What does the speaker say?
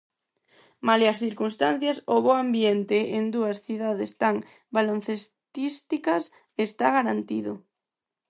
Malia as circunstancias, o bo ambiente en dúas cidades tan baloncestísticas está garantido.